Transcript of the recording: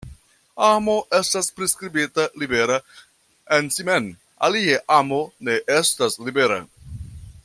Amo estas priskribita libera en si mem, alie amo ne estas libera.